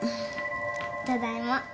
ただいま。